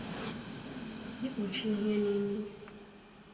ikpùchì ihe n'imi